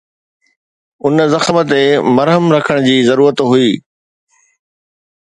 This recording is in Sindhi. ان زخم تي مرهم رکڻ جي ضرورت هئي.